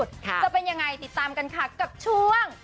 จะเป็นยังไงติดตามกันค่ะกับช่วง